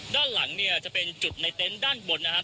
ด้านหลังเนี่ยจะเป็นจุดในเต็นต์ด้านบนนะครับ